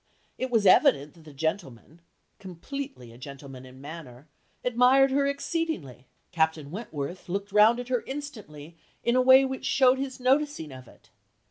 It was evident that the gentleman (completely a gentleman in manner) admired her exceedingly. Captain Wentworth looked round at her instantly in a way which showed his noticing of it.